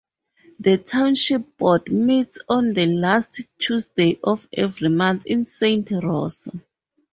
The township board meets on the last Tuesday of every month in Saint Rosa.